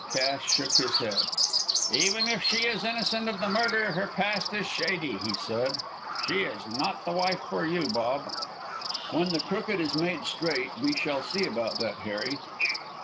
Cass shook his head. "Even if she is innocent of the murder her past is shady," he said. "She is not the wife for you, Bob." "When the crooked is made straight we shall see about that, Harry."